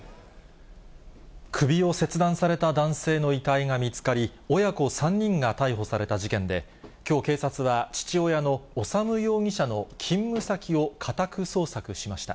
首を切断された男性の遺体が見つかり、親子３人が逮捕された事件で、きょう警察は、父親の修容疑者の勤務先を家宅捜索しました。